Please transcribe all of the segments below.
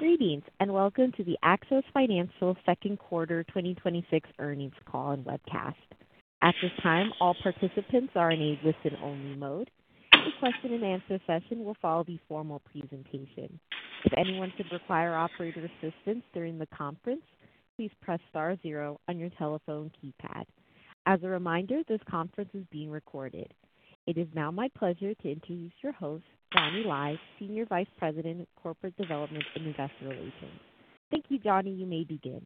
Greetings and welcome to the Axos Financial second quarter 2026 earnings call and webcast. At this time, all participants are in a listen-only mode. The question-and-answer session will follow the formal presentation. If anyone should require operator assistance during the conference, please press star zero on your telephone keypad. As a reminder, this conference is being recorded. It is now my pleasure to introduce your host, Johnny Lai, Senior Vice President, Corporate Development and Investor Relations. Thank you, Johnny. You may begin.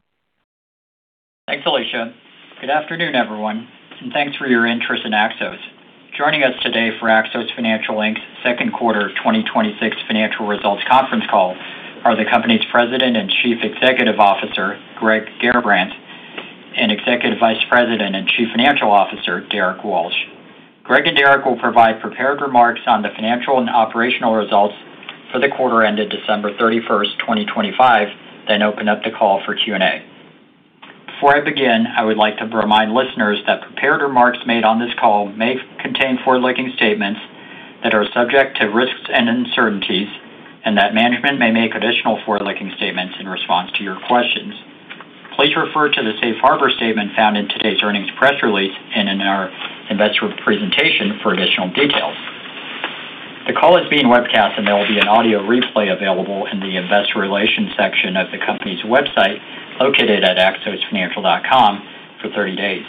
Thanks, Alicia. Good afternoon, everyone, and thanks for your interest in Axos. Joining us today for Axos Financial's second quarter 2026 financial results conference call are the company's President and Chief Executive Officer, Greg Garrabrants, and Executive Vice President and Chief Financial Officer, Derrick Walsh. Greg and Derrick will provide prepared remarks on the financial and operational results for the quarter ended December 31st, 2025, then open up the call for Q&A. Before I begin, I would like to remind listeners that prepared remarks made on this call may contain forward-looking statements that are subject to risks and uncertainties, and that management may make additional forward-looking statements in response to your questions. Please refer to the safe harbor statement found in today's earnings press release and in our investor presentation for additional details. The call is being webcast, and there will be an audio replay available in the investor relations section of the company's website located at axosfinancial.com for 30 days.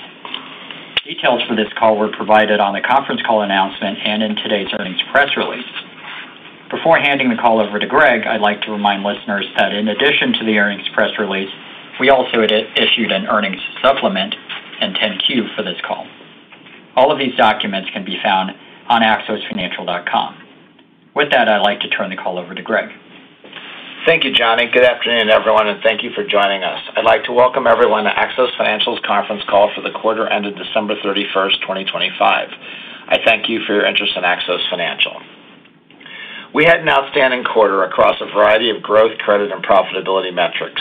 Details for this call were provided on the conference call announcement and in today's earnings press release. Before handing the call over to Greg, I'd like to remind listeners that in addition to the earnings press release, we also issued an earnings supplement and 10-Q for this call. All of these documents can be found on axosfinancial.com. With that, I'd like to turn the call over to Greg. Thank you, Johnny. Good afternoon, everyone, and thank you for joining us. I'd like to welcome everyone to Axos Financial's conference call for the quarter ended December 31st, 2025. I thank you for your interest in Axos Financial. We had an outstanding quarter across a variety of growth, credit, and profitability metrics.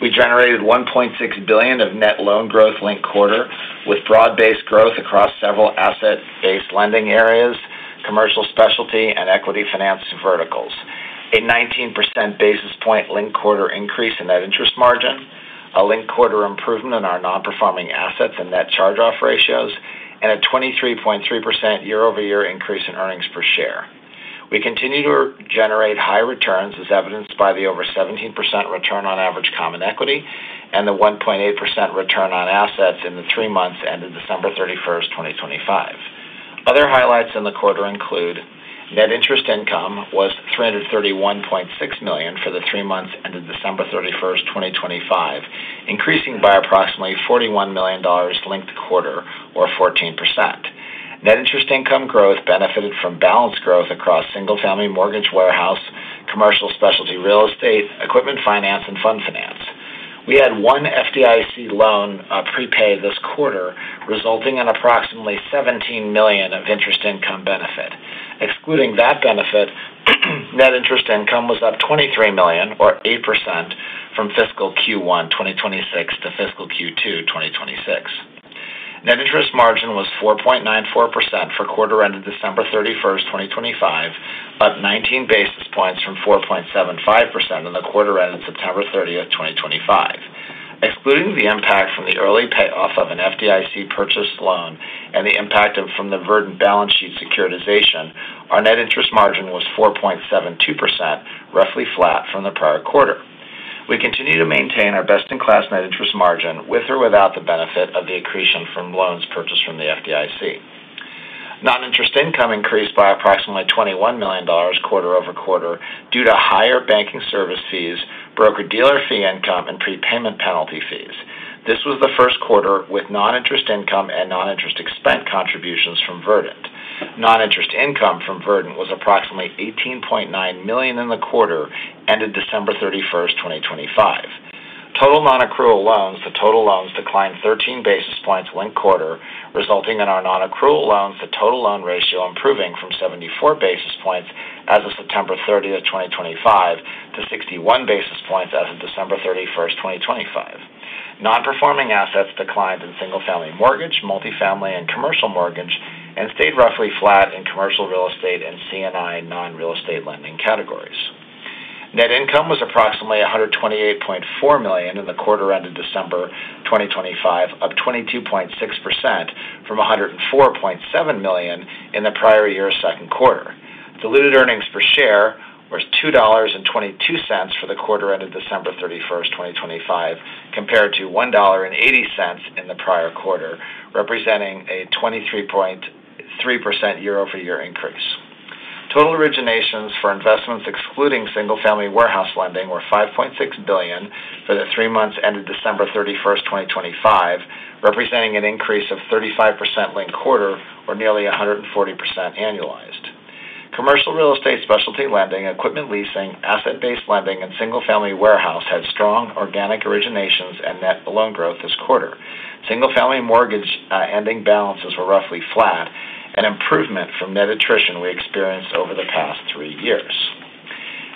We generated $1.6 billion of net loan growth linked quarter with broad-based growth across several asset-based lending areas, commercial specialty, and equity finance verticals. A 19 basis point linked quarter increase in net interest margin, a linked quarter improvement in our non-performing assets and net charge-off ratios, and a 23.3% year-over-year increase in earnings per share. We continue to generate high returns as evidenced by the over 17% return on average common equity and the 1.8% return on assets in the three months ended December 31st, 2025. Other highlights in the quarter include net interest income was $331.6 million for the three months ended December 31st, 2025, increasing by approximately $41 million linked quarter, or 14%. Net interest income growth benefited from balance growth across single-family mortgage warehouse, commercial specialty real estate, equipment finance, and fund finance. We had one FDIC loan prepay this quarter, resulting in approximately $17 million of interest income benefit. Excluding that benefit, net interest income was up $23 million, or 8%, from fiscal Q1, 2026, to fiscal Q2, 2026. Net interest margin was 4.94% for quarter ended December 31st, 2025, up 19 basis points from 4.75% in the quarter ended September 30th, 2025. Excluding the impact from the early payoff of an FDIC purchased loan and the impact from the Verdant balance sheet securitization, our net interest margin was 4.72%, roughly flat from the prior quarter. We continue to maintain our best-in-class net interest margin with or without the benefit of the accretion from loans purchased from the FDIC. Non-interest income increased by approximately $21 million quarter-over-quarter due to higher banking service fees, broker-dealer fee income, and prepayment penalty fees. This was the first quarter with non-interest income and non-interest expense contributions from Verdant. Non-interest income from Verdant was approximately $18.9 million in the quarter ended December 31st, 2025. Total non-accrual loans to total loans declined 13 basis points linked quarter, resulting in our non-accrual loans to total loan ratio improving from 74 basis points as of September 30th, 2025, to 61 basis points as of December 31st, 2025. Non-performing assets declined in single-family mortgage, multifamily, and commercial mortgage, and stayed roughly flat in commercial real estate and C&I non-real estate lending categories. Net income was approximately $128.4 million in the quarter ended December 2025, up 22.6% from $104.7 million in the prior year's second quarter. Diluted earnings per share was $2.22 for the quarter ended December 31st, 2025, compared to $1.80 in the prior quarter, representing a 23.3% year-over-year increase. Total originations for investments excluding single-family warehouse lending were $5.6 billion for the three months ended December 31st, 2025, representing an increase of 35% linked quarter, or nearly 140% annualized. Commercial real estate specialty lending, equipment leasing, asset-based lending, and single-family warehouse had strong organic originations and net loan growth this quarter. Single-family mortgage ending balances were roughly flat, an improvement from net attrition we experienced over the past three years.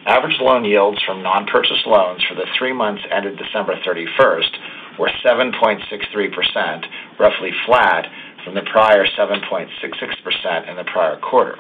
Average loan yields from non-purchased loans for the three months ended December 31st were 7.63%, roughly flat from the prior 7.66% in the prior quarter.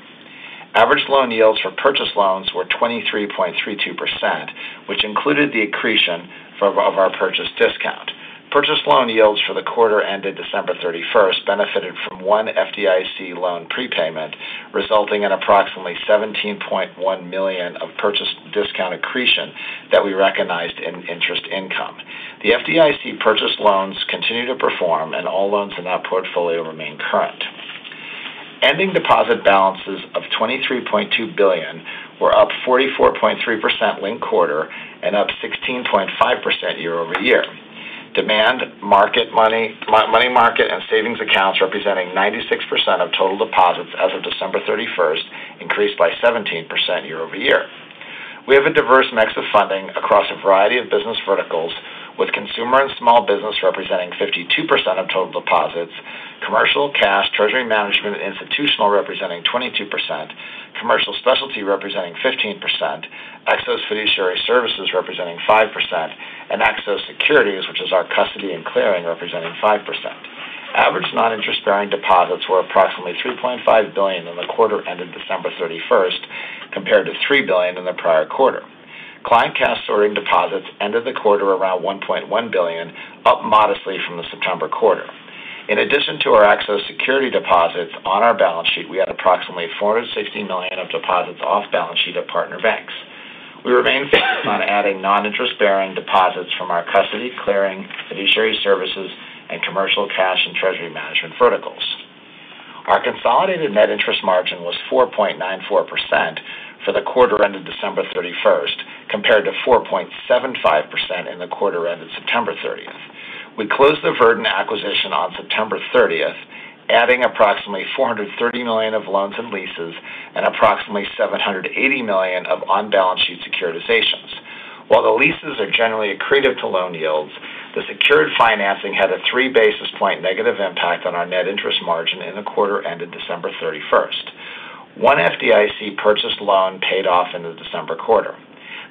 Average loan yields for purchased loans were 23.32%, which included the accretion of our purchase discount. Purchased loan yields for the quarter ended December 31st benefited from one FDIC loan prepayment, resulting in approximately $17.1 million of purchase discount accretion that we recognized in interest income. The FDIC purchased loans continue to perform, and all loans in that portfolio remain current. Ending deposit balances of $23.2 billion were up 44.3% linked quarter and up 16.5% year-over-year. Demand, money market, and savings accounts representing 96% of total deposits as of December 31st increased by 17% year-over-year. We have a diverse mix of funding across a variety of business verticals, with consumer and small business representing 52% of total deposits, commercial, cash, treasury management, and institutional representing 22%, commercial specialty representing 15%, Axos Fiduciary Services representing 5%, and Axos Securities, which is our custody and clearing, representing 5%. Average non-interest-bearing deposits were approximately $3.5 billion in the quarter ended December 31st, compared to $3 billion in the prior quarter. Client cash sorting deposits ended the quarter around $1.1 billion, up modestly from the September quarter. In addition to our Axos Securities deposits on our balance sheet, we had approximately $460 million of deposits off balance sheet at partner banks. We remain focused on adding non-interest-bearing deposits from our custody, clearing, fiduciary services, and commercial, cash, and treasury management verticals. Our consolidated net interest margin was 4.94% for the quarter ended December 31st, compared to 4.75% in the quarter ended September 30th. We closed the Verdant acquisition on September 30th, adding approximately $430 million of loans and leases and approximately $780 million of on-balance sheet securitizations. While the leases are generally accretive to loan yields, the secured financing had a 3 basis point negative impact on our net interest margin in the quarter ended December 31st. One FDIC purchased loan paid off in the December quarter.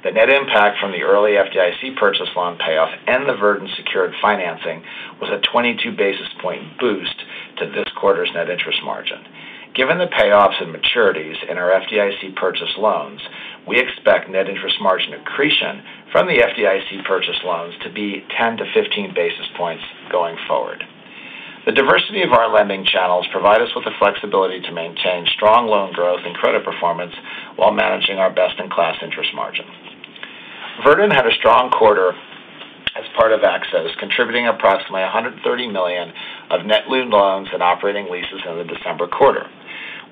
The net impact from the early FDIC purchase loan payoff and the Verdant secured financing was a 22 basis point boost to this quarter's net interest margin. Given the payoffs and maturities in our FDIC purchased loans, we expect net interest margin accretion from the FDIC purchased loans to be 10 to 15 basis points going forward. The diversity of our lending channels provides us with the flexibility to maintain strong loan growth and credit performance while managing our best-in-class interest margin. Verdant had a strong quarter as part of Axos, contributing approximately $130 million of net loans and operating leases in the December quarter.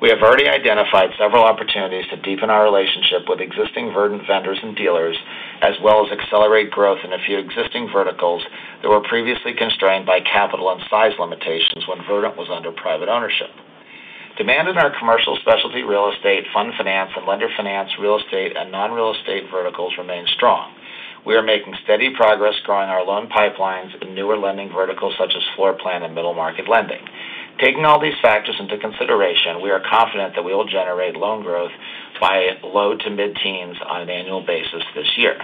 We have already identified several opportunities to deepen our relationship with existing Verdant vendors and dealers, as well as accelerate growth in a few existing verticals that were previously constrained by capital and size limitations when Verdant was under private ownership. Demand in our commercial specialty real estate, fund finance, and lender finance real estate and non-real estate verticals remains strong. We are making steady progress growing our loan pipelines in newer lending verticals such as floorplan and middle market lending. Taking all these factors into consideration, we are confident that we will generate loan growth by low to mid-teens on an annual basis this year.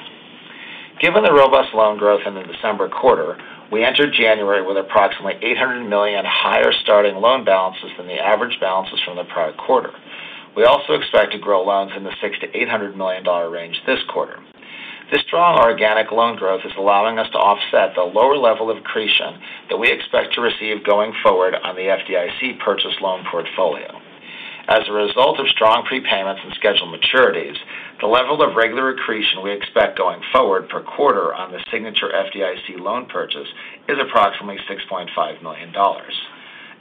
Given the robust loan growth in the December quarter, we entered January with approximately $800 million higher starting loan balances than the average balances from the prior quarter. We also expect to grow loans in the $600 million-800 million range this quarter. This strong organic loan growth is allowing us to offset the lower level of accretion that we expect to receive going forward on the FDIC purchased loan portfolio. As a result of strong prepayments and scheduled maturities, the level of regular accretion we expect going forward per quarter on the Signature FDIC loan purchase is approximately $6.5 million.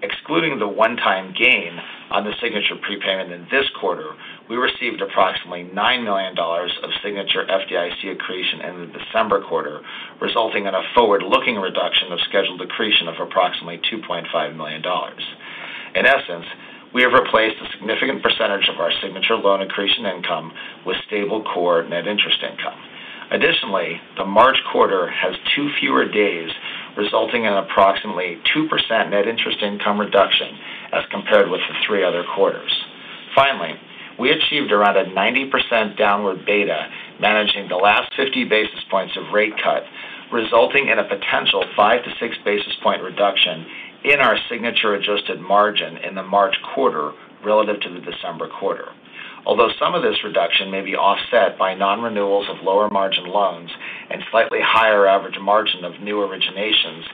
Excluding the one-time gain on the Signature prepayment in this quarter, we received approximately $9 million of Signature FDIC accretion in the December quarter, resulting in a forward-looking reduction of scheduled accretion of approximately $2.5 million. In essence, we have replaced a significant percentage of our Signature loan accretion income with stable core net interest income. Additionally, the March quarter has two fewer days, resulting in approximately 2% net interest income reduction as compared with the three other quarters. Finally, we achieved around a 90% downward beta managing the last 50 basis points of rate cut, resulting in a potential 5-6 basis point reduction in our signature adjusted margin in the March quarter relative to the December quarter. Although some of this reduction may be offset by non-renewals of lower margin loans and slightly higher average margin of new originations,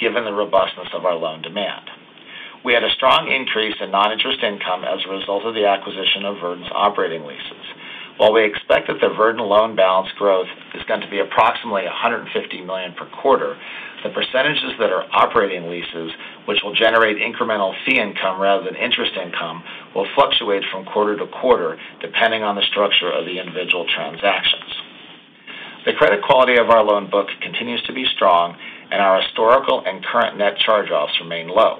given the robustness of our loan demand. We had a strong increase in non-interest income as a result of the acquisition of Verdant's operating leases. While we expect that the Verdant loan balance growth is going to be approximately $150 million per quarter, the percentages that are operating leases, which will generate incremental fee income rather than interest income, will fluctuate from quarter-to-quarter depending on the structure of the individual transactions. The credit quality of our loan book continues to be strong, and our historical and current net charge-offs remain low.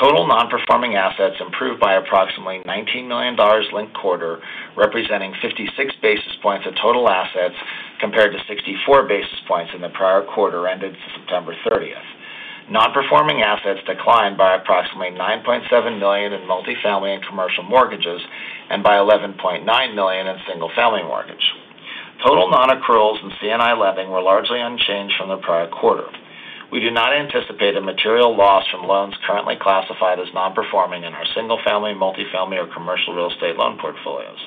Total non-performing assets improved by approximately $19 million linked quarter, representing 56 basis points of total assets compared to 64 basis points in the prior quarter ended September 30th. Non-performing assets declined by approximately $9.7 million in multifamily and commercial mortgages and by $11.9 million in single-family mortgage. Total non-accruals and C&I lending were largely unchanged from the prior quarter. We do not anticipate a material loss from loans currently classified as non-performing in our single-family, multifamily, or commercial real estate loan portfolios.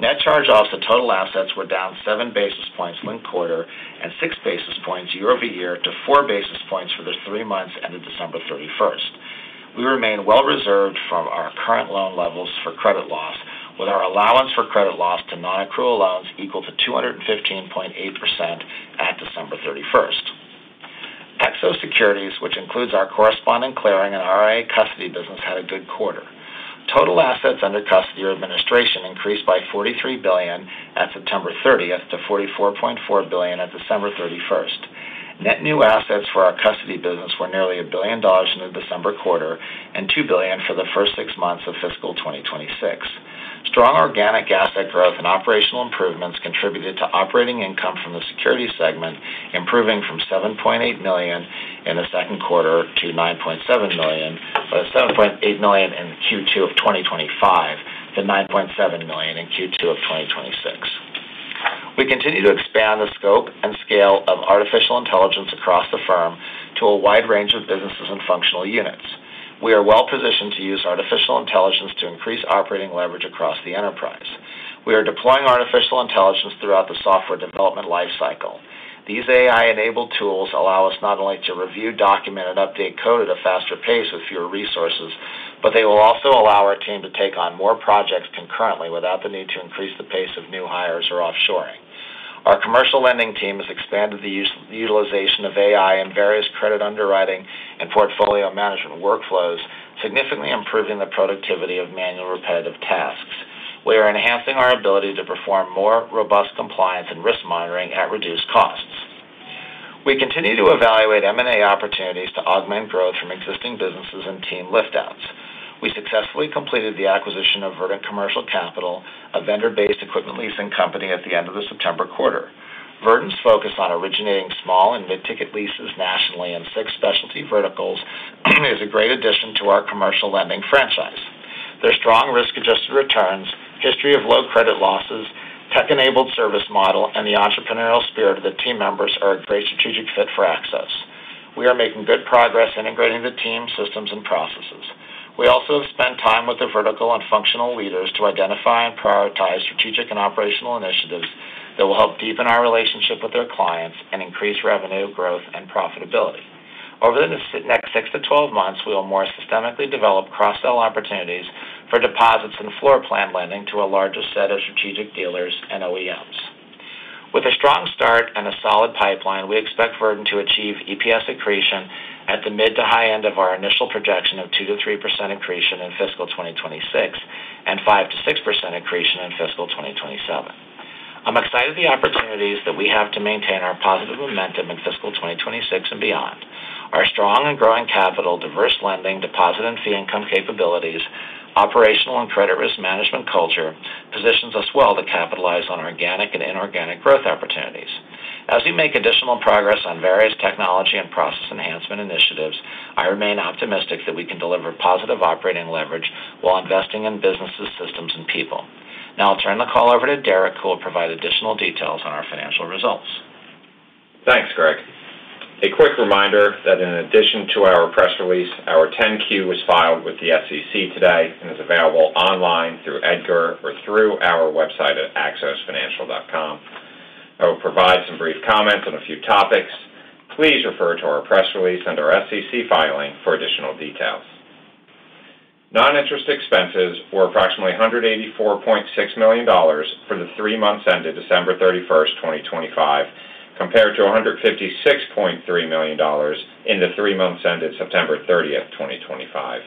Net charge-offs to total assets were down 7 basis points linked quarter and 6 basis points year-over-year to 4 basis points for the three months ended December 31st. We remain well reserved from our current loan levels for credit loss, with our allowance for credit loss to non-accrual loans equal to 215.8% at December 31st. Axos Securities, which includes our correspondent clearing and RIA custody business, had a good quarter. Total assets under custody or administration increased by $43 billion at September 30th to $44.4 billion at December 31st. Net new assets for our custody business were nearly $1 billion in the December quarter and $2 billion for the first six months of fiscal 2026. Strong organic asset growth and operational improvements contributed to operating income from the Securities segment, improving from $7.8 million in the second quarter to $9.7 million, but $7.8 million in Q2 of 2025 to $9.7 million in Q2 of 2026. We continue to expand the scope and scale of artificial intelligence across the firm to a wide range of businesses and functional units. We are well positioned to use artificial intelligence to increase operating leverage across the enterprise. We are deploying artificial intelligence throughout the software development lifecycle. These AI-enabled tools allow us not only to review, document, and update code at a faster pace with fewer resources, but they will also allow our team to take on more projects concurrently without the need to increase the pace of new hires or offshoring. Our commercial lending team has expanded the utilization of AI in various credit underwriting and portfolio management workflows, significantly improving the productivity of manual repetitive tasks. We are enhancing our ability to perform more robust compliance and risk monitoring at reduced costs. We continue to evaluate M&A opportunities to augment growth from existing businesses and team liftouts. We successfully completed the acquisition of Verdant Commercial Capital, a vendor-based equipment leasing company at the end of the September quarter. Verdant's focus on originating small and mid-ticket leases nationally in six specialty verticals is a great addition to our commercial lending franchise. Their strong risk-adjusted returns, history of low credit losses, tech-enabled service model, and the entrepreneurial spirit of the team members are a great strategic fit for Axos. We are making good progress integrating the team systems and processes. We also have spent time with the vertical and functional leaders to identify and prioritize strategic and operational initiatives that will help deepen our relationship with our clients and increase revenue, growth, and profitability. Over the next six to12 months, we will more systemically develop cross-sell opportunities for deposits and floor plan lending to a larger set of strategic dealers and OEMs. With a strong start and a solid pipeline, we expect Verdant to achieve EPS accretion at the mid to high end of our initial projection of 2%-3% accretion in fiscal 2026 and 5%-6% accretion in fiscal 2027. I'm excited about the opportunities that we have to maintain our positive momentum in fiscal 2026 and beyond. Our strong and growing capital, diverse lending, deposit and fee income capabilities, operational and credit risk management culture positions us well to capitalize on organic and inorganic growth opportunities. As we make additional progress on various technology and process enhancement initiatives, I remain optimistic that we can deliver positive operating leverage while investing in businesses, systems, and people. Now I'll turn the call over to Derrick, who will provide additional details on our financial results. Thanks, Greg. A quick reminder that in addition to our press release, our 10-Q was filed with the SEC today and is available online through EDGAR or through our website at axosfinancial.com. I will provide some brief comments on a few topics. Please refer to our press release and our SEC filing for additional details. Non-interest expenses were approximately $184.6 million for the three months ended December 31st, 2025, compared to $156.3 million in the three months ended September 30th, 2025.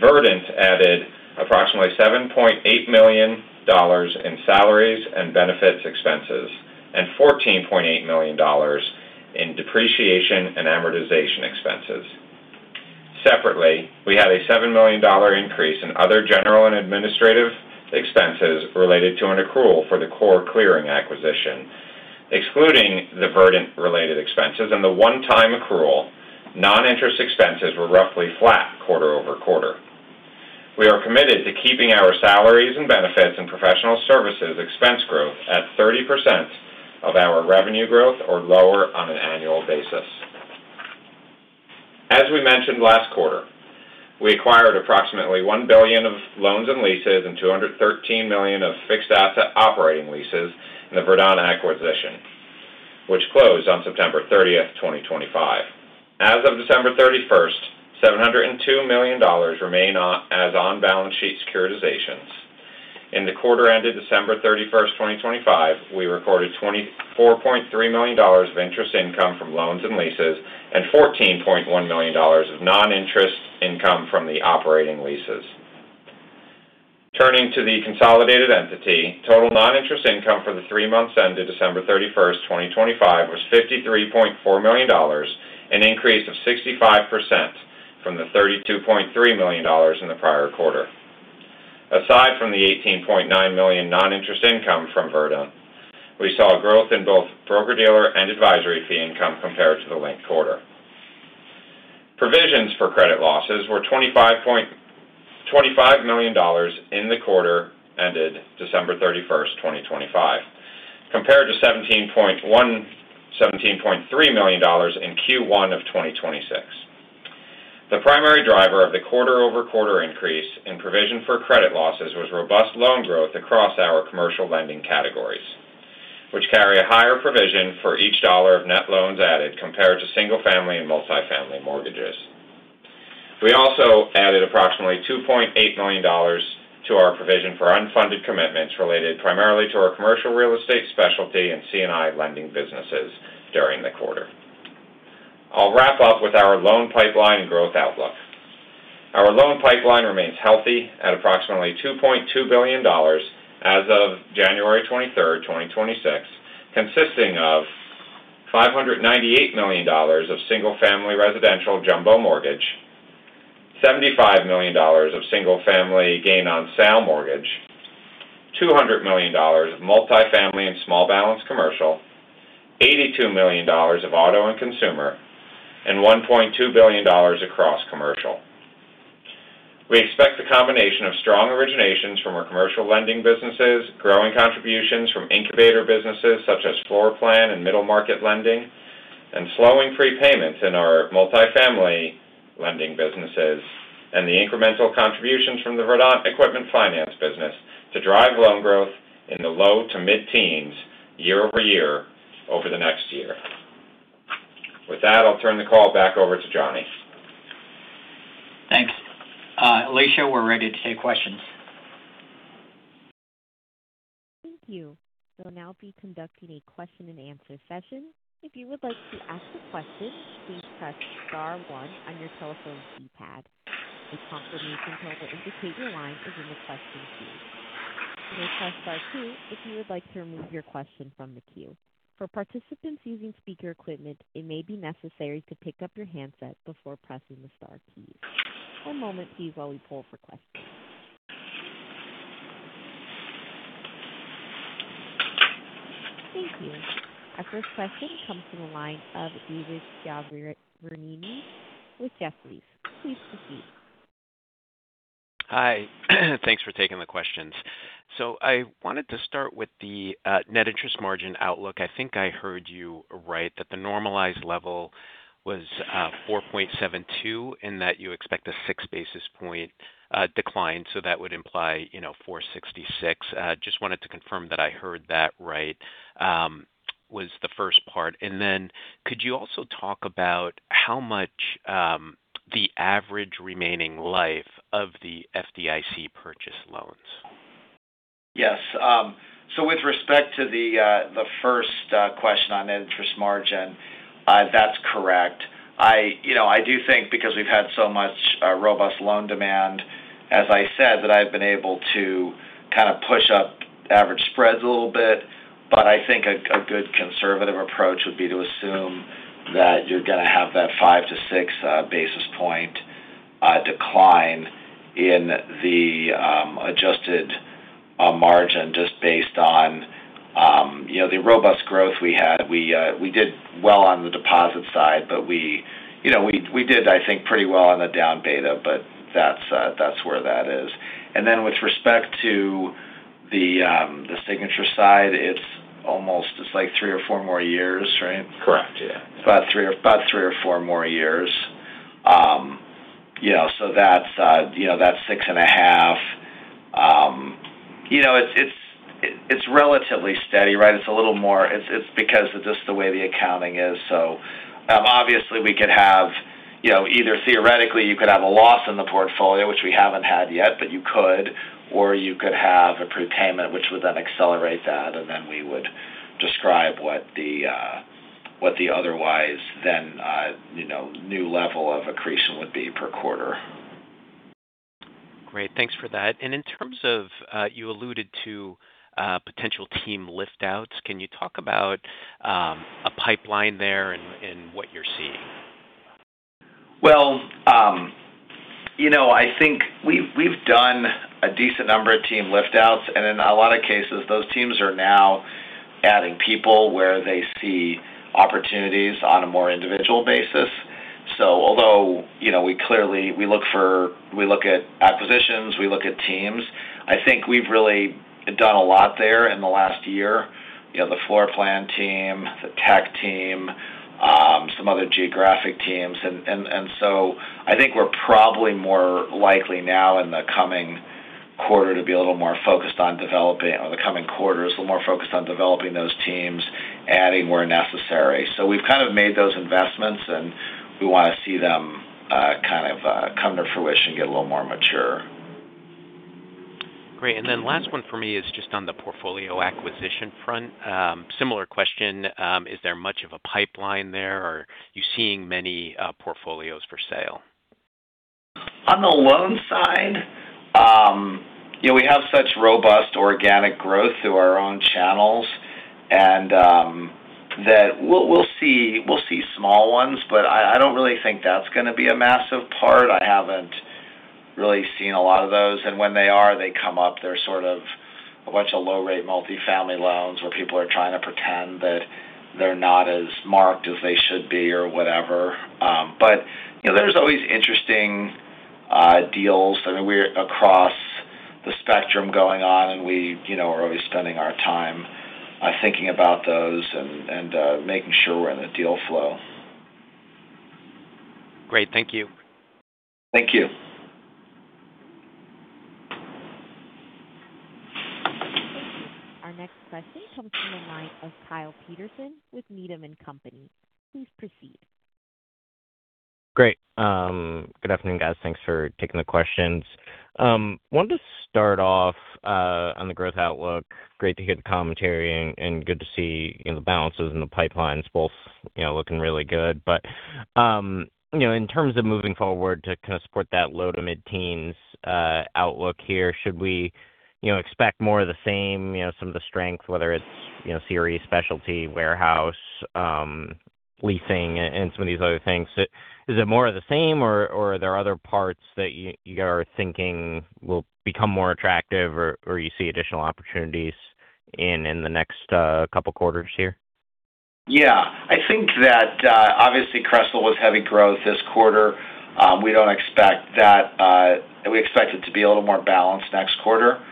Verdant added approximately $7.8 million in salaries and benefits expenses and $14.8 million in depreciation and amortization expenses. Separately, we had a $7 million increase in other general and administrative expenses related to an accrual for the COR Clearing acquisition. Excluding the Verdant-related expenses and the one-time accrual, non-interest expenses were roughly flat quarter-over-quarter. We are committed to keeping our salaries and benefits and professional services expense growth at 30% of our revenue growth or lower on an annual basis. As we mentioned last quarter, we acquired approximately $1 billion of loans and leases and $213 million of fixed asset operating leases in the Verdant acquisition, which closed on September 30th, 2025. As of December 31st, $702 million remain as on-balance sheet securitizations. In the quarter ended December 31st, 2025, we recorded $24.3 million of interest income from loans and leases and $14.1 million of non-interest income from the operating leases. Turning to the consolidated entity, total non-interest income for the three months ended December 31st, 2025, was $53.4 million, an increase of 65% from the $32.3 million in the prior quarter. Aside from the $18.9 million non-interest income from Verdant, we saw growth in both broker-dealer and advisory fee income compared to the link quarter. Provisions for credit losses were $25 million in the quarter ended December 31st, 2025, compared to $17.3 million in Q1 of 2026. The primary driver of the quarter-over-quarter increase in provision for credit losses was robust loan growth across our commercial lending categories, which carry a higher provision for each dollar of net loans added compared to single-family and multifamily mortgages. We also added approximately $2.8 million to our provision for unfunded commitments related primarily to our commercial real estate specialty and C&I lending businesses during the quarter. I'll wrap up with our loan pipeline and growth outlook. Our loan pipeline remains healthy at approximately $2.2 billion as of January 23rd, 2026, consisting of $598 million of single-family residential jumbo mortgage, $75 million of single-family gain-on-sale mortgage, $200 million of multifamily and small balance commercial, $82 million of auto and consumer, and $1.2 billion across commercial. We expect the combination of strong originations from our commercial lending businesses, growing contributions from incubator businesses such as floorplan and middle market lending, and slowing prepayments in our multifamily lending businesses, and the incremental contributions from the Verdant equipment finance business to drive loan growth in the low to mid-teens year-over-year over the next year. With that, I'll turn the call back over to Johnny. Thanks. Alicia, we're ready to take questions. Thank you. We'll now be conducting a question-and-answer session. If you would like to ask a question, please press star one on your telephone keypad. A confirmation code will indicate your line is in the question queue. You may press star two if you would like to remove your question from the queue. For participants using speaker equipment, it may be necessary to pick up your handset before pressing the star key. One moment, please, while we poll for questions. Thank you. Our first question comes from the line of David Chiaverini with Jefferies. Please proceed. Hi. Thanks for taking the questions. So I wanted to start with the net interest margin outlook. I think I heard you right, that the normalized level was 4.72 and that you expect a 6 basis point decline. So that would imply 4.66. Just wanted to confirm that I heard that right was the first part. And then could you also talk about how much the average remaining life of the FDIC purchase loans? Yes. So with respect to the first question on interest margin, that's correct. I do think because we've had so much robust loan demand, as I said, that I've been able to kind of push up average spreads a little bit. But I think a good conservative approach would be to assume that you're going to have that 5-6 basis point decline in the adjusted margin just based on the robust growth we had. We did well on the deposit side, but we did, I think, pretty well on the down beta, but that's where that is. And then with respect to the Signature side, it's almost like three or four more years, right? Correct. Yeah. About three or four more years. So that's 6.5. It's relatively steady, right? It's a little more, it's because of just the way the accounting is. So obviously, we could have either theoretically, you could have a loss in the portfolio, which we haven't had yet, but you could, or you could have a prepayment, which would then accelerate that. And then we would describe what the otherwise then new level of accretion would be per quarter. Great. Thanks for that. And in terms of you alluded to potential team liftouts, can you talk about a pipeline there and what you're seeing? Well, I think we've done a decent number of team liftouts. And in a lot of cases, those teams are now adding people where they see opportunities on a more individual basis. So although we clearly look at acquisitions, we look at teams, I think we've really done a lot there in the last year. The floor plan team, the tech team, some other geographic teams. And so I think we're probably more likely now in the coming quarter to be a little more focused on developing or the coming quarter is a little more focused on developing those teams, adding where necessary. So we've kind of made those investments, and we want to see them kind of come to fruition, get a little more mature. Great. And then last one for me is just on the portfolio acquisition front. Similar question. Is there much of a pipeline there, or are you seeing many portfolios for sale? On the loan side, we have such robust organic growth through our own channels that we'll see small ones, but I don't really think that's going to be a massive part. I haven't really seen a lot of those. And when they are, they come up. They're sort of a bunch of low-rate multifamily loans where people are trying to pretend that they're not as marked as they should be or whatever. But there's always interesting deals. I mean, we're across the spectrum going on, and we are always spending our time thinking about those and making sure we're in a deal flow. Great. Thank you. Thank you. Thank you. Our next question comes from the line of Kyle Peterson with Needham & Company. Please proceed. Great. Good afternoon, guys. Thanks for taking the questions. I wanted to start off on the growth outlook. Great to hear the commentary and good to see the balances and the pipelines both looking really good. But in terms of moving forward to kind of support that low- to mid-teens outlook here, should we expect more of the same, some of the strength, whether it's CRE specialty, warehouse, leasing, and some of these other things? Is it more of the same, or are there other parts that you are thinking will become more attractive, or you see additional opportunities in the next couple of quarters here? Yeah. I think that obviously CRESL was heavy growth this quarter. We don't expect that. We expect it to be a little more balanced next quarter.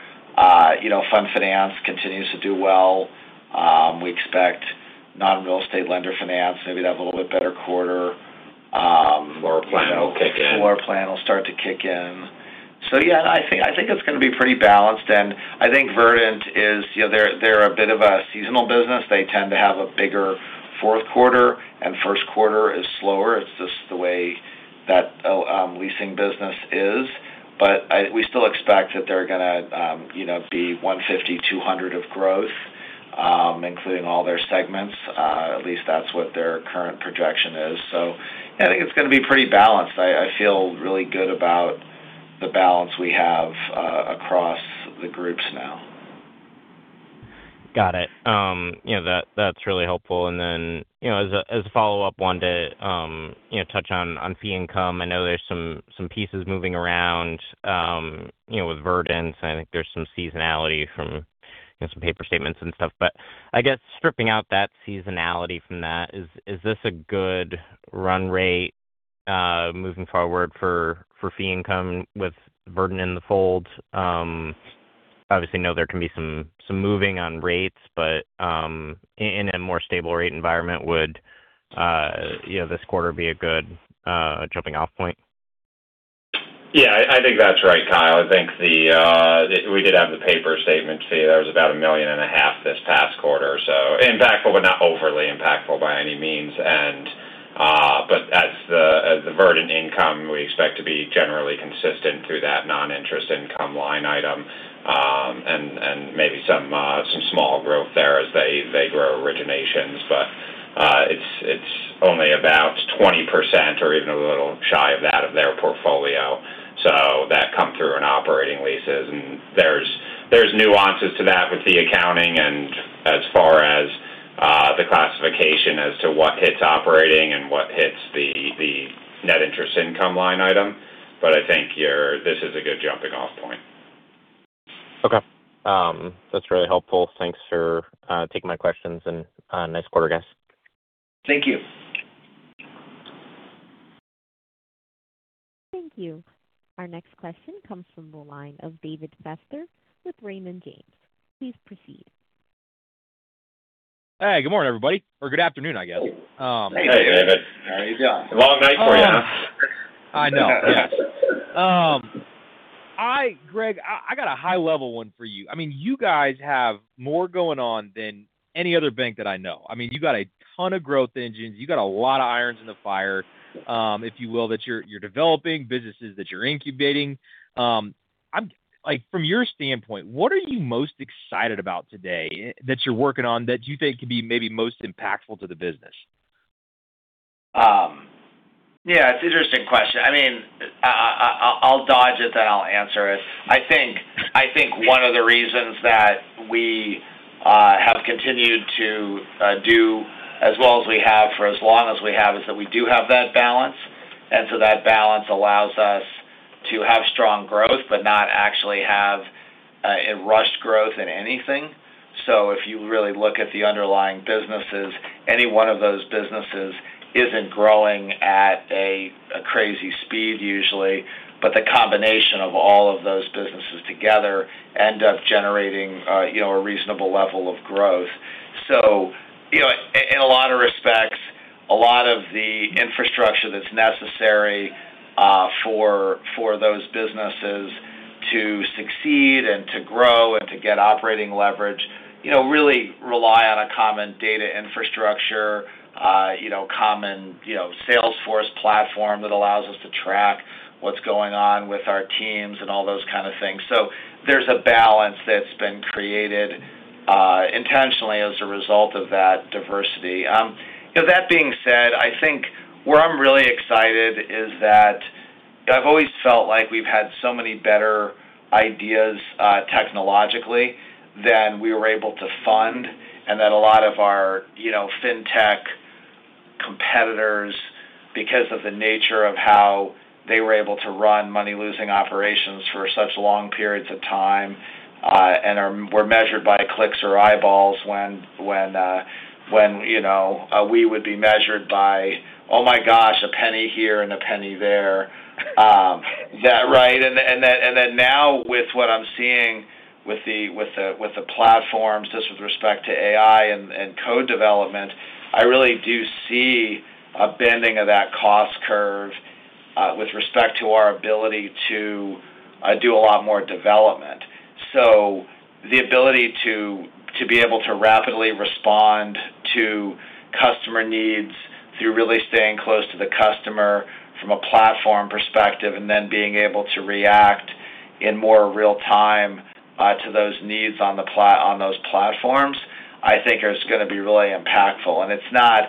Fund finance continues to do well. We expect non-real estate lender finance maybe to have a little bit better quarter. Floor plan will kick in. Floor plan will start to kick in. So yeah, I think it's going to be pretty balanced. And I think Verdant is they're a bit of a seasonal business. They tend to have a bigger fourth quarter, and first quarter is slower. It's just the way that leasing business is. But we still expect that they're going to be $150-200 of growth, including all their segments. At least that's what their current projection is. So I think it's going to be pretty balanced. I feel really good about the balance we have across the groups now. Got it. That's really helpful. And then as a follow-up, wanted to touch on fee income. I know there's some pieces moving around with Verdant, and I think there's some seasonality from some paper statements and stuff. But I guess stripping out that seasonality from that, is this a good run rate moving forward for fee income with Verdant in the fold? Obviously, I know there can be some moving on rates, but in a more stable rate environment, would this quarter be a good jumping-off point? Yeah. I think that's right, Kyle. I think we did have the paper statement fee. That was about $1.5 million this past quarter, so impactful, but not overly impactful by any means. But as the Verdant income, we expect to be generally consistent through that non-interest income line item and maybe some small growth there as they grow originations. But it's only about 20% or even a little shy of that of their portfolio. So that comes through in operating leases. And there's nuances to that with the accounting and as far as the classification as to what hits operating and what hits the net interest income line item. But I think this is a good jumping-off point. Okay. That's really helpful. Thanks for taking my questions, and nice quarter, guys. Thank you. Thank you. Our next question comes from the line of David Feaster with Raymond James. Please proceed. Hey, good morning, everybody, or good afternoon, I guess. Hey, David. How are you doing? Long night for you, huh?I know, yes. Hi, Greg. I got a high-level one for you. I mean, you guys have more going on than any other bank that I know. I mean, you got a ton of growth engines. You got a lot of irons in the fire, if you will, that you're developing, businesses that you're incubating. From your standpoint, what are you most excited about today that you're working on that you think could be maybe most impactful to the business? Yeah. It's an interesting question. I mean, I'll dodge it, then I'll answer it. I think one of the reasons that we have continued to do as well as we have for as long as we have is that we do have that balance. And so that balance allows us to have strong growth, but not actually have rushed growth in anything. So if you really look at the underlying businesses, any one of those businesses isn't growing at a crazy speed usually, but the combination of all of those businesses together end up generating a reasonable level of growth. So in a lot of respects, a lot of the infrastructure that's necessary for those businesses to succeed and to grow and to get operating leverage really relies on a common data infrastructure, common Salesforce platform that allows us to track what's going on with our teams and all those kinds of things. So there's a balance that's been created intentionally as a result of that diversity. That being said, I think where I'm really excited is that I've always felt like we've had so many better ideas technologically than we were able to fund and that a lot of our fintech competitors, because of the nature of how they were able to run money-losing operations for such long periods of time and were measured by clicks or eyeballs when we would be measured by, "Oh my gosh, a penny here and a penny there." Right? And then now with what I'm seeing with the platforms, just with respect to AI and code development, I really do see a bending of that cost curve with respect to our ability to do a lot more development. So the ability to be able to rapidly respond to customer needs through really staying close to the customer from a platform perspective and then being able to react in more real time to those needs on those platforms, I think is going to be really impactful. And it's not.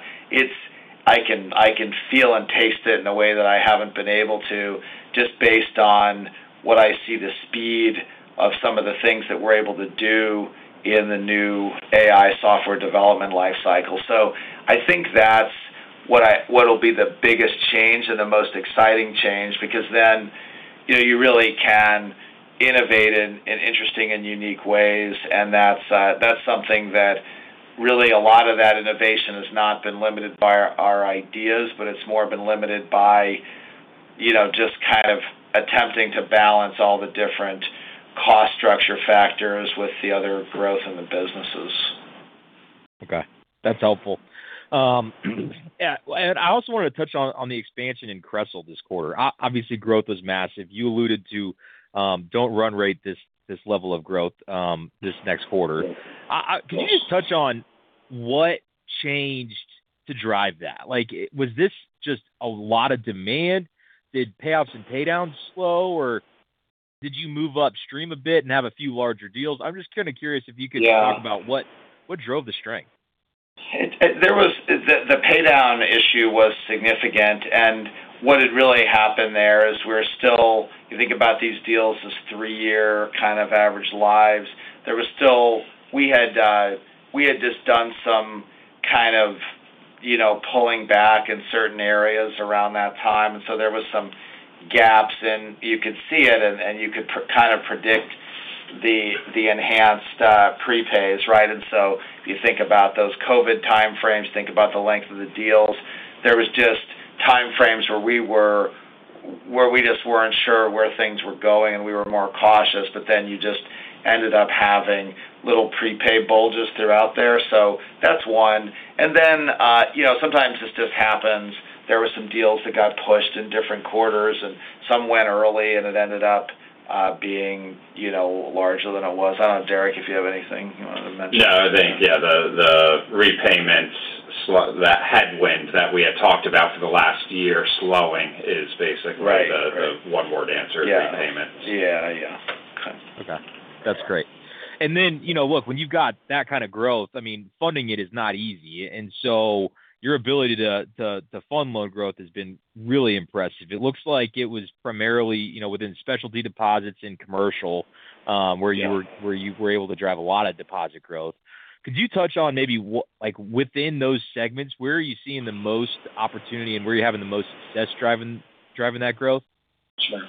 I can feel and taste it in a way that I haven't been able to just based on what I see the speed of some of the things that we're able to do in the new AI software development life cycle. So I think that's what will be the biggest change and the most exciting change because then you really can innovate in interesting and unique ways. And that's something that really a lot of that innovation has not been limited by our ideas, but it's more been limited by just kind of attempting to balance all the different cost structure factors with the other growth in the businesses. Okay. That's helpful. And I also wanted to touch on the expansion in CRESL this quarter. Obviously, growth was massive. You alluded to don't run rate this level of growth this next quarter. Could you just touch on what changed to drive that? Was this just a lot of demand? Did payoffs and paydowns slow, or did you move upstream a bit and have a few larger deals? I'm just kind of curious if you could talk about what drove the strength. The paydown issue was significant. And what had really happened there is we're still if you think about these deals as three-year kind of average lives, there was still we had just done some kind of pulling back in certain areas around that time. And so there were some gaps, and you could see it, and you could kind of predict the enhanced prepays, right? And so if you think about those COVID timeframes, think about the length of the deals, there were just timeframes where we just weren't sure where things were going, and we were more cautious. But then you just ended up having little prepay bulges throughout there. So that's one. And then sometimes this just happens. There were some deals that got pushed in different quarters, and some went early, and it ended up being larger than it was. I don't know, Derrick, if you have anything you wanted to mention. No, I think, yeah, the repayment headwind that we had talked about for the last year slowing is basically the one-word answer, repayments. Yeah. Yeah.Yeah. Okay. Okay. That's great. And then, look, when you've got that kind of growth, I mean, funding it is not easy. And so your ability to fund loan growth has been really impressive. It looks like it was primarily within specialty deposits and commercial where you were able to drive a lot of deposit growth. Could you touch on maybe within those segments, where are you seeing the most opportunity and where you're having the most success driving that growth? Sure.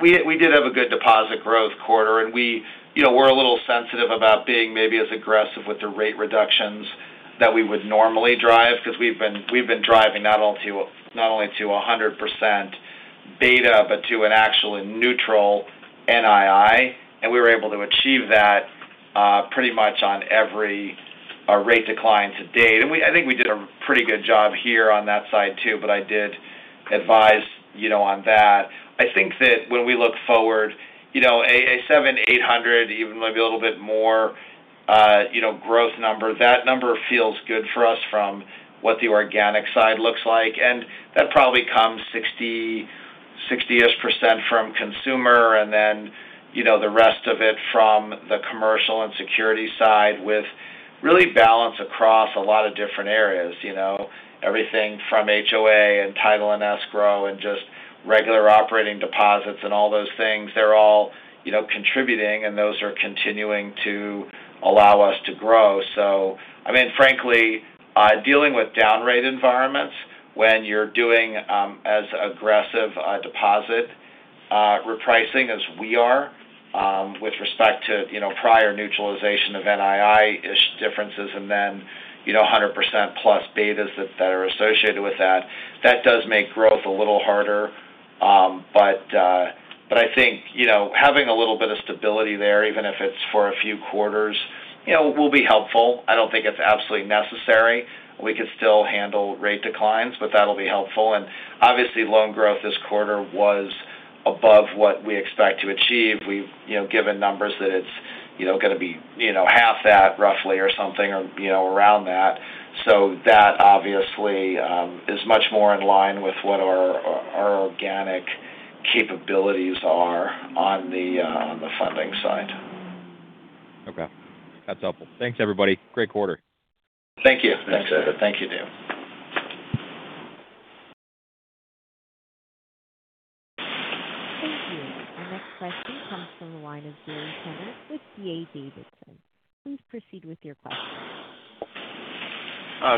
We did have a good deposit growth quarter, and we're a little sensitive about being maybe as aggressive with the rate reductions that we would normally drive because we've been driving not only to 100% beta, but to an actual neutral NII. And we were able to achieve that pretty much on every rate decline to date. And I think we did a pretty good job here on that side too, but I did advise on that. I think that when we look forward, a 7,800, even maybe a little bit more growth number, that number feels good for us from what the organic side looks like. And that probably comes 60%-ish from consumer and then the rest of it from the commercial and security side with really balance across a lot of different areas. Everything from HOA and title and escrow and just regular operating deposits and all those things, they're all contributing, and those are continuing to allow us to grow. So I mean, frankly, dealing with down rate environments when you're doing as aggressive deposit repricing as we are with respect to prior neutralization of NII-ish differences and then 100% plus betas that are associated with that, that does make growth a little harder. But I think having a little bit of stability there, even if it's for a few quarters, will be helpful. I don't think it's absolutely necessary. We could still handle rate declines, but that'll be helpful. And obviously, loan growth this quarter was above what we expect to achieve. We've given numbers that it's going to be half that roughly or something or around that. So that obviously is much more in line with what our organic capabilities are on the funding side. Okay. That's helpful. Thanks, everybody. Great quarter. Thank you. Thanks, David. Thank you, David. Thank you. Our next question comes from the line of Gary Tenner with D.A. Davidson. Please proceed with your question.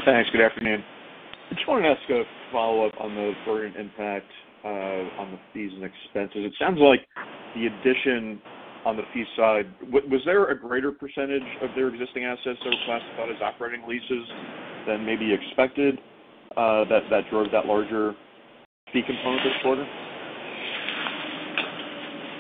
Thanks. Good afternoon. I just wanted to ask a follow-up on the Verdant impact on the fees and expenses. It sounds like the addition on the fee side, was there a greater percentage of their existing assets that were classified as operating leases than maybe expected that drove that larger fee component this quarter?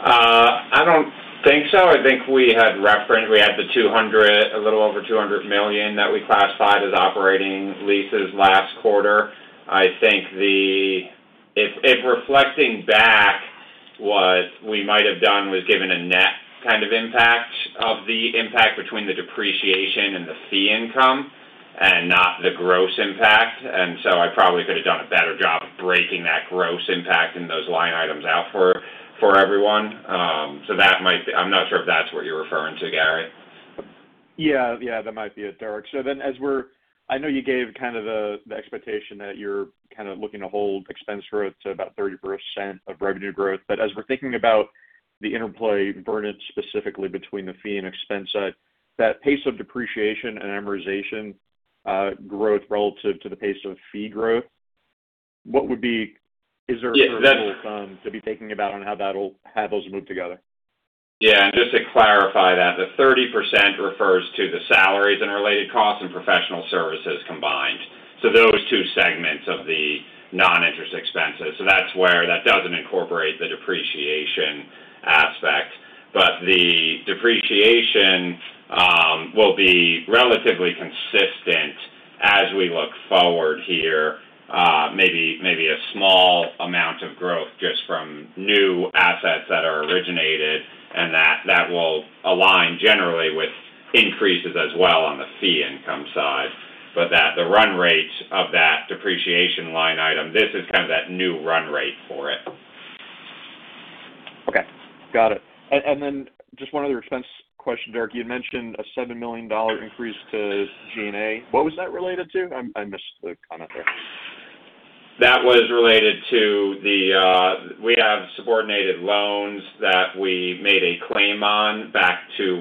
I don't think so. I think we had the $200, a little over $200 million that we classified as operating leases last quarter. I think if reflecting back what we might have done was given a net kind of impact of the impact between the depreciation and the fee income and not the gross impact. And so I probably could have done a better job of breaking that gross impact and those line items out for everyone. So that might be. I'm not sure if that's what you're referring to, Gary. Yeah. Yeah. That might be it, Derrick. So then as we're, I know you gave kind of the expectation that you're kind of looking to hold expense growth to about 30% of revenue growth. But as we're thinking about the interplay, Verdant specifically, between the fee and expense side, that pace of depreciation and amortization growth relative to the pace of fee growth, what would be, is there a level to be thinking about on how those move together? Yeah. And just to clarify that, the 30% refers to the salaries and related costs and professional services combined. So those two segments of the non-interest expenses. So that's where that doesn't incorporate the depreciation aspect. But the depreciation will be relatively consistent as we look forward here, maybe a small amount of growth just from new assets that are originated, and that will align generally with increases as well on the fee income side. But the run rate of that depreciation line item, this is kind of that new run rate for it. Okay. Got it. And then just one other expense question, Derrick. You had mentioned a $7 million increase to G&A. What was that related to? I missed the comment there. That was related to that we have subordinated loans that we made a claim on back to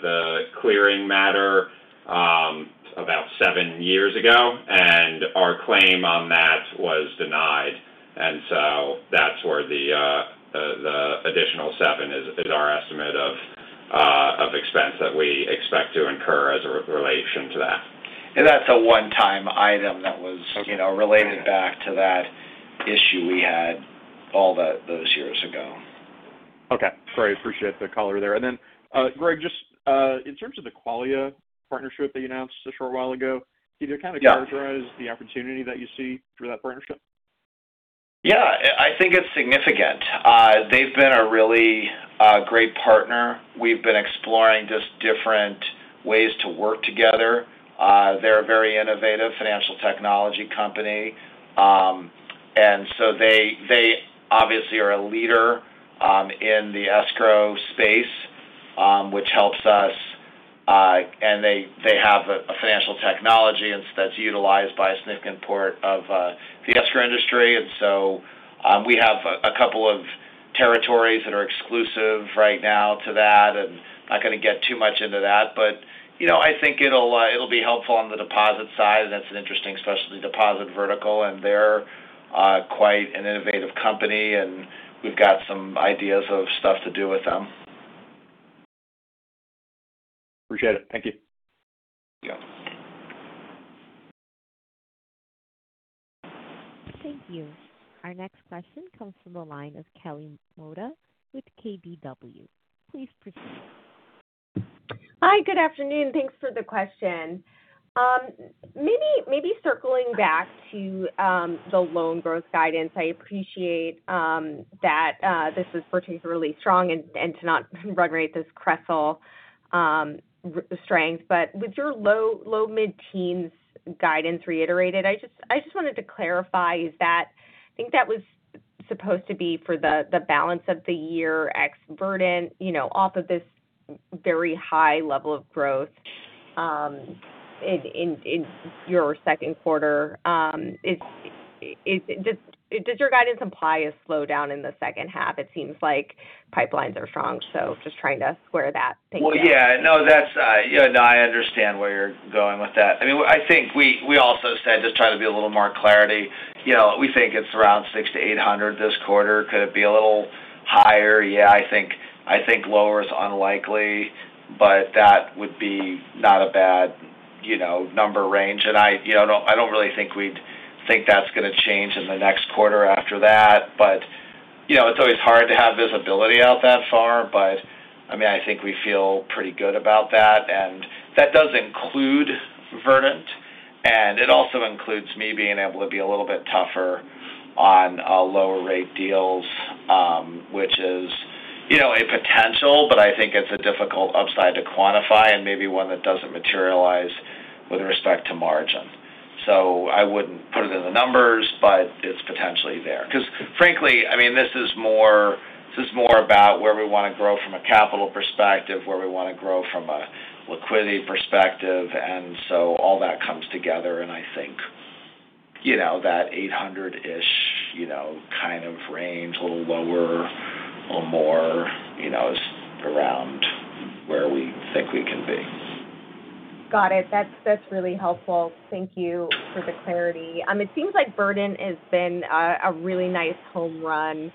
the clearing matter about seven years ago, and our claim on that was denied. And so that's where the additional $7 million is our estimate of expense that we expect to incur as a relation to that. And that's a one-time item that was related back to that issue we had all those years ago. Okay. Great. Appreciate the color there. And then, Greg, just in terms of the Qualia partnership that you announced a short while ago, can you kind of characterize the opportunity that you see for that partnership? Yeah. I think it's significant. They've been a really great partner. We've been exploring just different ways to work together. They're a very innovative financial technology company. And so they obviously are a leader in the escrow space, which helps us. And they have a financial technology that's utilized by a significant part of the escrow industry. And so we have a couple of territories that are exclusive right now to that. And I'm not going to get too much into that, but I think it'll be helpful on the deposit side. And that's an interesting specialty deposit vertical. And they're quite an innovative company. And we've got some ideas of stuff to do with them. Appreciate it. Thank you. Thank you. Our next question comes from the line of Kelly Motta with KBW. Please proceed. Hi. Good afternoon. Thanks for the question. Maybe circling back to the loan growth guidance, I appreciate that this is particularly strong and to not run rate this CRESL strength. But with your low, mid-teens guidance reiterated, I just wanted to clarify is that I think that was supposed to be for the balance of the year ex Verdant off of this very high level of growth in your second quarter. Does your guidance imply a slowdown in the second half? It seems like pipelines are strong. So just trying to square that thing out. Well, yeah. No, I understand where you're going with that. I mean, I think we also said, just trying to be a little more clarity, we think it's around 600-800 this quarter. Could it be a little higher? Yeah, I think lower is unlikely, but that would be not a bad number range. And I don't really think we'd think that's going to change in the next quarter after that. But it's always hard to have visibility out that far. But I mean, I think we feel pretty good about that. And that does include Verdant. And it also includes me being able to be a little bit tougher on lower rate deals, which is a potential, but I think it's a difficult upside to quantify and maybe one that doesn't materialize with respect to margin. So I wouldn't put it in the numbers, but it's potentially there. Because frankly, I mean, this is more about where we want to grow from a capital perspective, where we want to grow from a liquidity perspective. And so all that comes together. And I think that 800-ish kind of range, a little lower, a little more, is around where we think we can be. Got it. That's really helpful. Thank you for the clarity. It seems like Verdant has been a really nice home run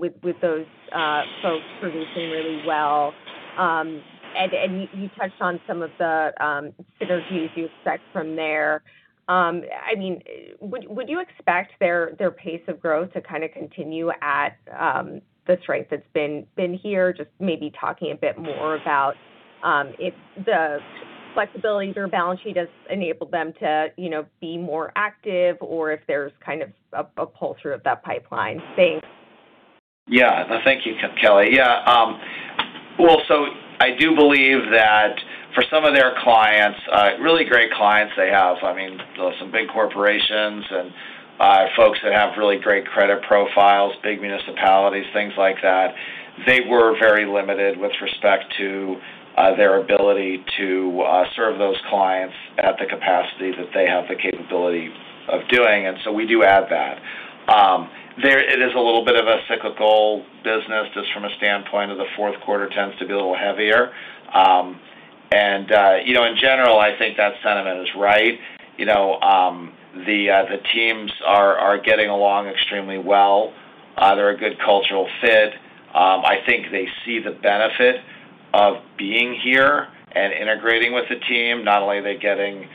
with those folks producing really well. And you touched on some of the synergies you expect from there. I mean, would you expect their pace of growth to kind of continue at the strength that's been here? Just maybe talking a bit more about if the flexibility or balance sheet has enabled them to be more active or if there's kind of a pull through of that pipeline. Thanks. Yeah. No, thank you, Kelly. Yeah. Well, so I do believe that for some of their clients, really great clients they have, I mean, some big corporations and folks that have really great credit profiles, big municipalities, things like that, they were very limited with respect to their ability to serve those clients at the capacity that they have the capability of doing. And so we do add that. It is a little bit of a cyclical business just from a standpoint of the fourth quarter tends to be a little heavier. And in general, I think that sentiment is right. The teams are getting along extremely well. They're a good cultural fit. I think they see the benefit of being here and integrating with the team. Not only are they getting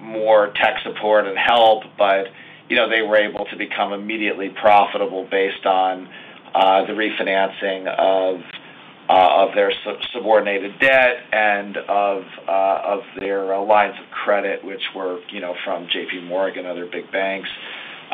more tech support and help, but they were able to become immediately profitable based on the refinancing of their subordinated debt and of their lines of credit, which were from JP Morgan, other big banks.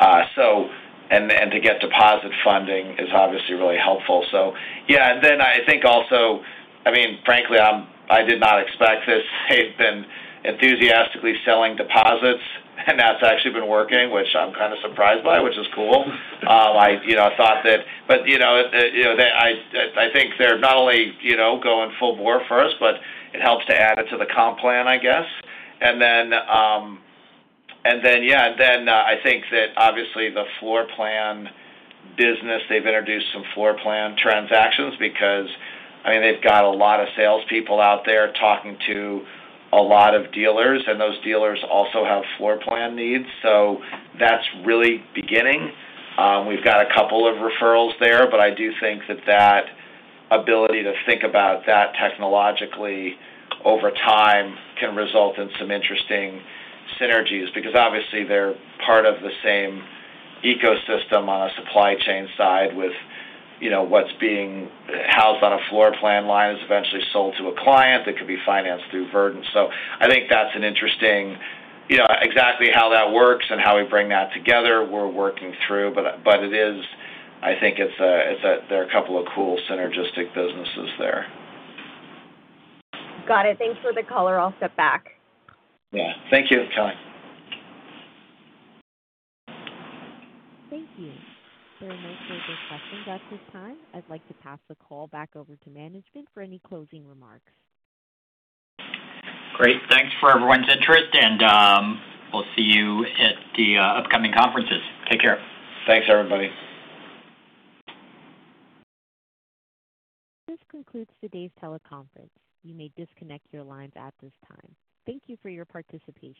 And to get deposit funding is obviously really helpful. So yeah. And then I think also, I mean, frankly, I did not expect this. They've been enthusiastically selling deposits, and that's actually been working, which I'm kind of surprised by, which is cool. I thought that. But I think they're not only going full bore for us, but it helps to add it to the comp plan, I guess. And then yeah. And then I think that obviously the floor plan business, they've introduced some floor plan transactions because, I mean, they've got a lot of salespeople out there talking to a lot of dealers, and those dealers also have floor plan needs. So that's really beginning. We've got a couple of referrals there, but I do think that that ability to think about that technologically over time can result in some interesting synergies because obviously they're part of the same ecosystem on a supply chain side with what's being housed on a floor plan line is eventually sold to a client that could be financed through Verdant. So I think that's an interesting exactly how that works and how we bring that together, we're working through. But I think there are a couple of cool synergistic businesses there. Got it. Thanks for the color. I'll step back. Yeah. Thank you, Kelly. Thank you. There are no further questions at this time. I'd like to pass the call back over to management for any closing remarks. Great. Thanks for everyone's interest. And we'll see you at the upcoming conferences. Take care. Thanks, everybody. This concludes today's teleconference. You may disconnect your lines at this time. Thank you for your participation.